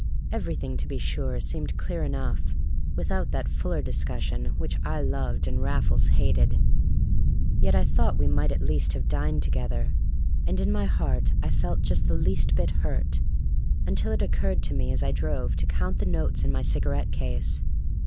Everything, to be sure, seemed clear enough without that fuller discussion which I loved and Raffles hated. Yet I thought we might at least have dined together, and in my heart I felt just the least bit hurt, until it occurred to me as I drove to count the notes in my cigarette case.